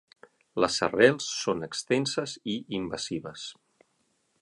Les arrels són extenses i invasives.